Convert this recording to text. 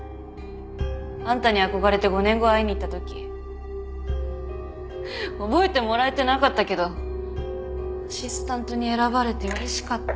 あんたに憧れて５年後会いに行った時覚えてもらえてなかったけどアシスタントに選ばれて嬉しかった。